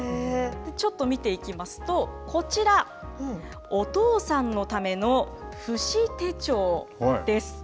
ちょっと見ていきますと、こちら、お父さんのための父子手帳です。